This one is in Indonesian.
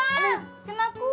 kalau aku disin idag